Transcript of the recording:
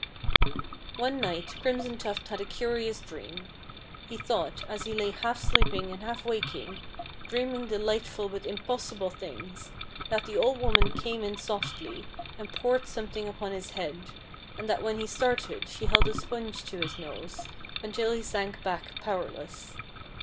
One night Crimson Tuft had a curious dream. He thought, as he lay half sleeping and half waking, dreaming delightful but impossible things, that the old woman came in softly and poured something upon his head, and that when he started, she held a sponge to his nose, until he sank back powerless.